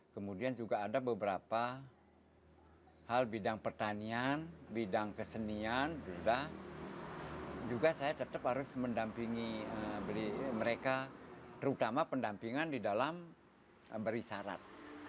kemudian juga ada beberapa hal bidang pertanian bidang kesenian juga saya tetap harus mendampingi mereka terutama pendampingan di dalam memberi syarat